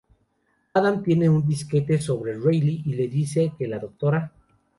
Adam tiene un disquete sobre Riley y le dice que la Dra.